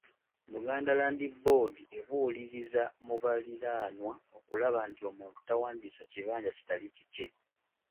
Buganda Land Board ebuuliriza mu baliraanwa okulaba nti omuntu tawandiisa kibanja kitali kikye.